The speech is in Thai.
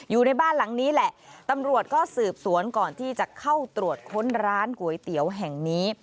อยู่ในบ้านหลังนี้แหละตำรวจก็สืบสวนก่อนที่จะเข้าตรวจค้นร้านก๋วยเตี๋ยวแห่งนี้